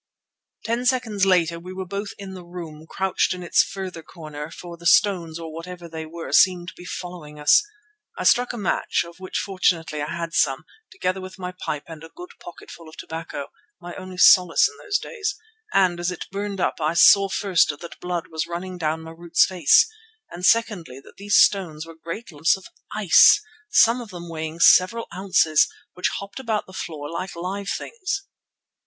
Ten seconds later we were both in the room, crouched in its farther corner, for the stones or whatever they were seemed to be following us. I struck a match, of which fortunately I had some, together with my pipe and a good pocketful of tobacco—my only solace in those days—and, as it burned up, saw first that blood was running down Marût's face, and secondly, that these stones were great lumps of ice, some of them weighing several ounces, which hopped about the floor like live things.